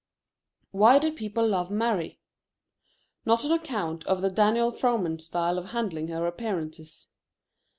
Why do the people love Mary? Not on account of the Daniel Frohman style of handling her appearances.